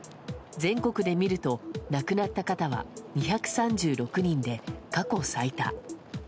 全国で見ると、亡くなった方は２３６人で過去最多。